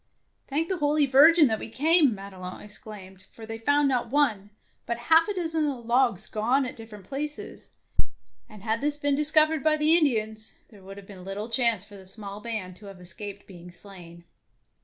" Thank the Holy Virgin that we came," Madelon exclaimed; for they found not one, but half a dozen of the logs gone at different places, and had this been discovered by the Indians, there would have been little chance for the small band to have escaped being slain.